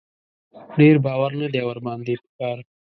ډېر باور نه دی ور باندې په کار.